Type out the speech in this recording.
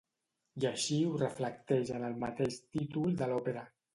I així ho reflecteix en el mateix títol de l'òpera.